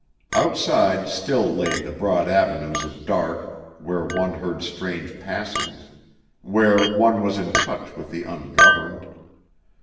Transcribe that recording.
Outside still lay the broad avenues of dark where one heard strange passings; where one was in touch with the ungoverned.